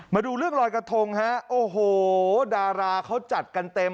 มาดูเรื่องลอยกระทงฮะโอ้โหดาราเขาจัดกันเต็ม